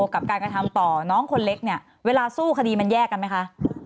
กับการกระทำต่อน้องคนเล็กเนี่ยเวลาสู้คดีมันแยกกันไหมคะ